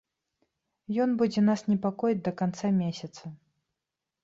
Ён будзе нас непакоіць да канца месяца.